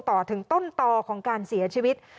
ต่อถึงต้นต่อของการเสียชีวิต